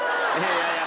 いやいや。